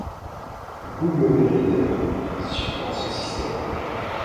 Google Reader supporte ce système.